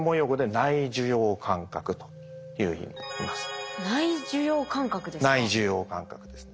内受容感覚ですね。